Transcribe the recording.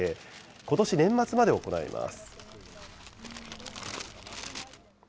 ことし年末まで行われます。